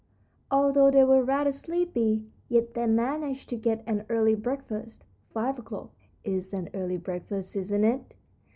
Although they were rather sleepy, yet they managed to get an early breakfast five o'clock is an early breakfast, isn't it?